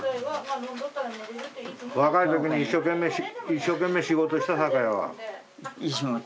若い時に一生懸命仕事したさかいやわ。